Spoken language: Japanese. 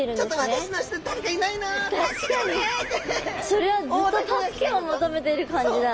それはずっと助けを求めてる感じだ。